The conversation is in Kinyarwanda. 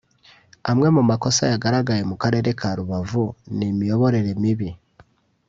Amwe mu makosa yagaragaye mu Karere ka Rubavu ni imiyoborere mibi